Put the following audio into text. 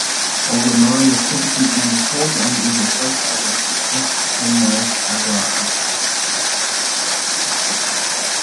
Ogonori is typically eaten cold and is a source of the thickener agar.